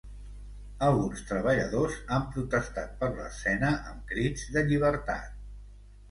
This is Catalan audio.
Alguns treballadors han protestat per l’escena amb crits de ‘llibertat’.